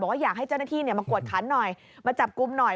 ว่าอยากให้เจ้าหน้าที่มากวดขันหน่อยมาจับกลุ่มหน่อย